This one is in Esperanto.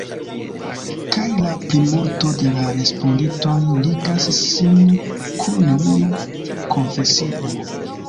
Kaj la plimulto de la respondintoj ligas sin kun neniu konfesio.